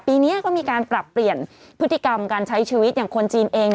ปีนี้ก็มีการปรับเปลี่ยนพฤติกรรมการใช้ชีวิตอย่างคนจีนเอง